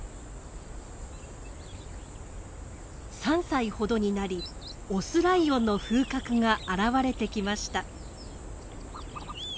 ３歳ほどになりオスライオンの風格が現れてきました。